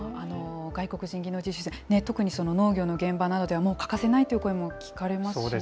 外国人技能実習生、特に農業の現場などでは、もう欠かせないという声も聞かれますしね、